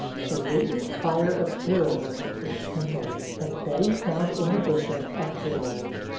The latent fire of hero worship was kindled, and Betty found in the Bishop a hero.